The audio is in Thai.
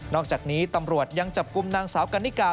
อกจากนี้ตำรวจยังจับกลุ่มนางสาวกันนิกา